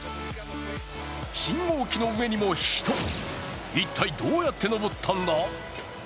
信号機の上にも人一体どうやって登ったんだ？